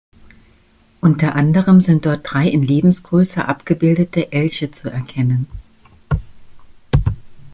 Unter anderem sind dort drei in Lebensgröße abgebildete Elche zu erkennen.